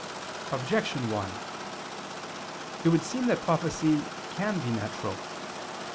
Objection 1: It would seem that prophecy can be natural.